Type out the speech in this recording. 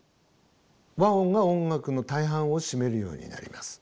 和音が音楽の大半を占めるようになります。